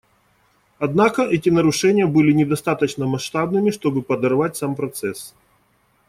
Однако эти нарушения были недостаточно масштабными, чтобы подорвать сам процесс.